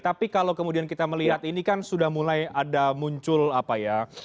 tapi kalau kemudian kita melihat ini kan sudah mulai ada muncul apa ya